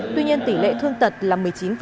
tuy nhiên tỷ lệ thương tật là một mươi chín